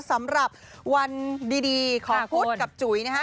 สำหรับวันดีของพุทธกับจุ๋ยนะฮะ